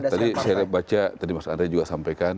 tadi saya baca tadi mas andre juga sampaikan